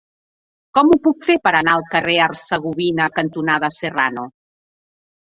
Com ho puc fer per anar al carrer Hercegovina cantonada Serrano?